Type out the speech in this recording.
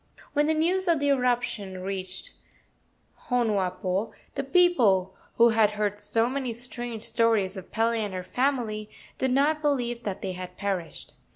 When the news of the eruption reached Honuapo, the people, who had heard so many strange stories of Pele and her family, did not believe that they had perished.